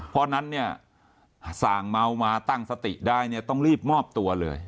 เพราะฉะนั้นเนี่ยส่างเมามาตั้งสติได้เนี่ยต้องรีบมอบตัวเลย